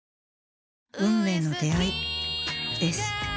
運命の出会いです。